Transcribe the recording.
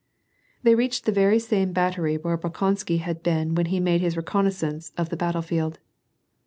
They reached the very same battery where Bolkonsky had been when he made his reconnoissance of the battle field.